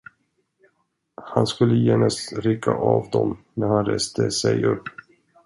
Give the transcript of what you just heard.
Han skulle genast rycka av dem, när han reste sig upp.